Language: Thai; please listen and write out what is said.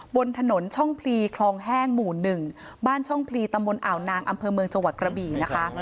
บนถนนช่องพลีคลองแห้งหมู่๑บ้านช่องพลีตำบลอ่าวนางอำเภอเมืองจังหวัดกระบี่นะคะ